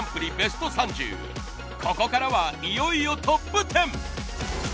ここからはいよいよトップ１０！